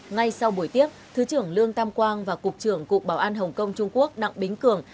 ngay sau buổi tiếp thứ trưởng lương tam quang và cục trưởng cục bảo an hồng kông trung quốc đặng bính cường